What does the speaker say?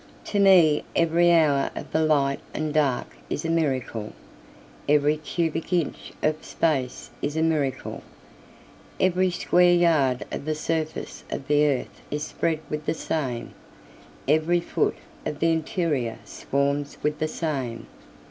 To me every hour of the light and dark is a miracle, Every cubic inch of space is a miracle, Every square yard of the surface of the earth is spread with the same, Every foot of the interior swarms with the same.